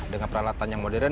dengan peralatan yang modern